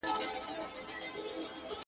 د زړه په كور كي دي بل كور جوړكړی ـ